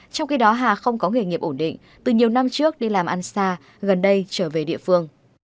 trong khi đó hà không có nghề nghiệp ổn định từ nhiều năm trước đi làm ăn xa gần đây trở về địa phương